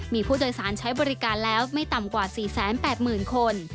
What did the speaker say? มีผู้โดยสารใช้บริการแล้วไม่ต่ำกว่า๔๘๐๐๐คน